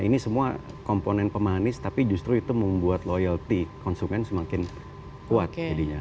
ini semua komponen pemanis tapi justru itu membuat loyalty konsumen semakin kuat jadinya